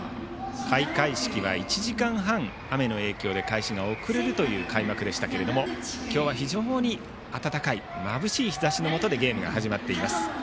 開会式は１時間半雨の影響で開始が遅れるという開幕でしたが今日は非常に暖かいまぶしい日ざしのもとでゲームが始まっています。